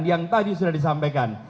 yang tadi sudah disampaikan